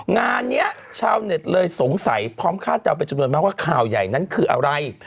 งานนี้ชาวเน็ตเลยสงสัยพร้อมคาดเดาเป็นจำนวนมากว่าข่าวใหญ่นั้นคืออะไร